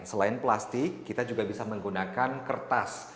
selain plastik kita juga bisa menggunakan kertas